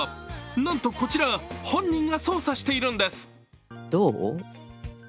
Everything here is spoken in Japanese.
なんとこちら本人が操作しているんです。